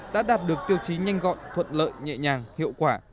đã đạt được tiêu chí nhanh gọn thuận lợi nhẹ nhàng hiệu quả